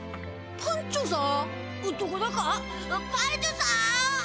パンチョさん